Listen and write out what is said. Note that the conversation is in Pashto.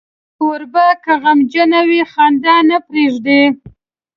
کوربه که غمجن وي، خندا نه پرېږدي.